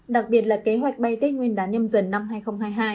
đặc biệt là kế hoạch bay tết nguyên đán nhâm dần năm hai nghìn hai mươi hai